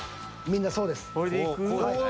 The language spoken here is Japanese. みんなそうです。